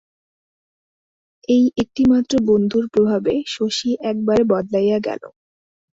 এই একটি মাত্র বন্ধুর প্রভাবে শশী একবারে বদলাইয়া গেল।